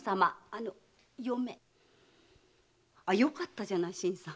あよかったじゃない新さん。